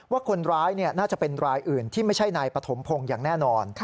ว่าคนร้ายน่าจะเป็นรายอื่นที่ไม่ใช่นายปฐมพงศ์อย่างแน่นอน